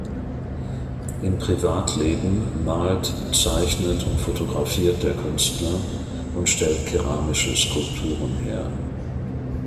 Im Privatleben malt, zeichnet und fotografiert der Künstler und stellt keramische Skulpturen her.